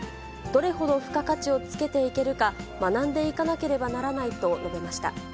どれほど付加価値をつけているか、学んでいかなければならないと述べました。